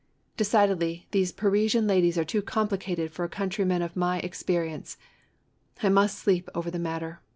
Decidedly, these Parisian ladies are too complicated for a countryman of my ex perience ! I must sleep over the matter.